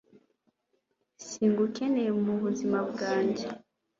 singukeneye mu buzima bwanjye